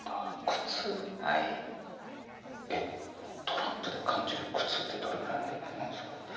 トランプで感じる苦痛ってどれぐらいのレベルなんですか？